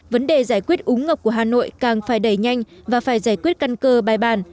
vấn đề giải quyết úng ngập của hà nội càng phải đẩy nhanh và phải giải quyết căn cơ bài bàn